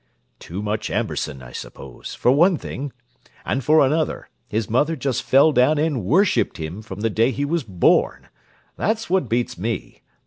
"Too much Amberson, I suppose, for one thing. And for another, his mother just fell down and worshipped him from the day he was born. That's what beats me!